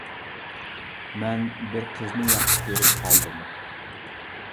-مەن بىر قىزنى ياخشى كۆرۈپ قالدىم.